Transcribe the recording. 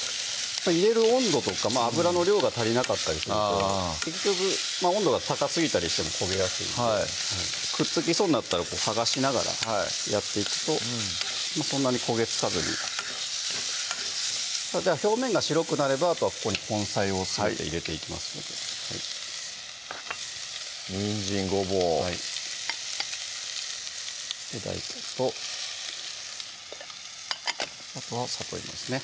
入れる温度とか油の量が足りなかったりすると結局温度が高すぎたりしても焦げやすいんでくっつきそうになったら剥がしながらやっていくとそんなに焦げ付かずにでは表面が白くなればあとはここに根菜をすべて入れていきますのでにんじん・ごぼうはい大根とあとはさといもですね